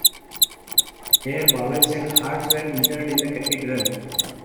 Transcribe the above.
Their bowels and hearts were interred in the cathedral.